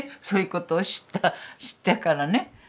そういうことを知った知ってからね。